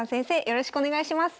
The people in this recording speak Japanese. よろしくお願いします。